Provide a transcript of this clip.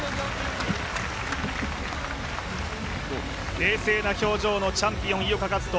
冷静な表情のチャンピオン井岡一翔。